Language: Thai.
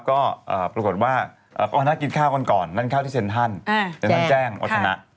ก็ปรากฏว่าน่ากินข้าวก่อนนั่นข้าวที่เซ็นทันเซ็นทันแจ้งอธนะ